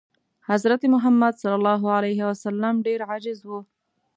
حضرت محمد ﷺ ډېر عاجز و.